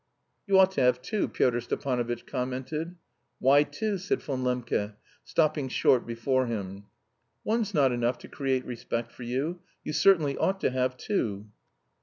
"You ought to have two," Pyotr Stepanovitch commented. "Why two?" said Von Lembke, stopping short before him. "One's not enough to create respect for you. You certainly ought to have two."